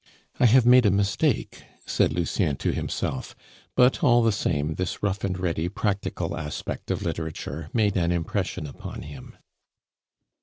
"I have made a mistake," said Lucien to himself; but, all the same, this rough and ready practical aspect of literature made an impression upon him.